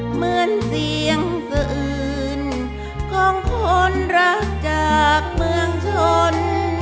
เหมือนเสียงอื่นของคนรักจากเมืองชน